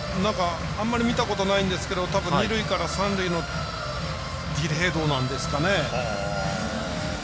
あんまり見たことないんですけど二塁から三塁のディレードなんですかね。